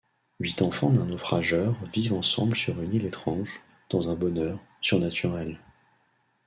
Huit enfants d'un naufrageur vivent ensemble sur une île étrange, dans un bonheur surnaturel.